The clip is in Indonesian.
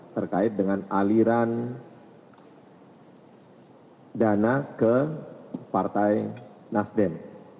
terkait dengan aliran dana ke partai nasdem